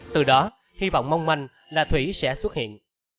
từ đó hy vọng mong manh là thủy sẽ xuất hiện